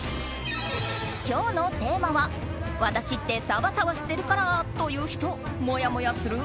今日のテーマは私ってサバサバしてるからと言う人もやもやする？